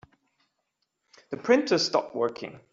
The printer stopped working.